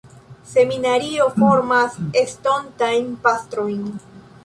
Seminario formas estontajn pastrojn.